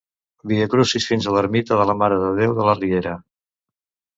Viacrucis fins a l'ermita de la Mare de Déu de la Riera.